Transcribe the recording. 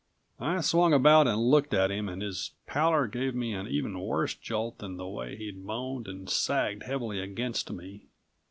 I swung about and looked at him, and his pallor gave me an even worse jolt than the way he'd moaned and sagged heavily against me.